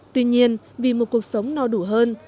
tuy nhiên vì một cuộc sống no đủ hơn